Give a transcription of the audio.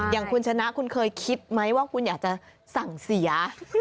อย่างคุณชนะคุณเคยคิดไหมว่าคุณอยากจะสั่งเสีย